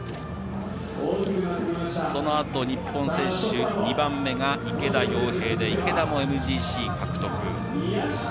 そのあと、日本選手２番目が池田耀平で、池田もＭＧＣ獲得。